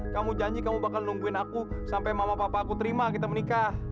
kamu janji kamu bakal nungguin aku sampai mama papa aku terima kita menikah